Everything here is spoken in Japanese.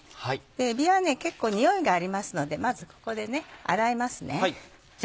えびは結構臭いがありますのでまずここで洗いますね。